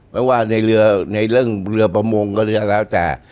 ไม่ว่าในเรือในเรื่องเรือประมงก็เรือแล้วแต่